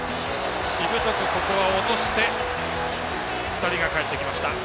しぶとく、ここは落として２人が、かえってきました。